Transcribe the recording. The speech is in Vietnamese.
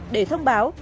để thông báo